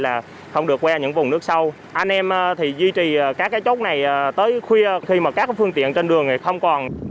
là không được qua những vùng nước sâu anh em thì duy trì các cái chốt này tới khuya khi mà các phương tiện trên đường thì không còn